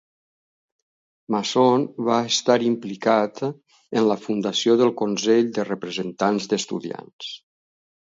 Masson va estar implicat en la fundació del Consell de Representants d'Estudiants.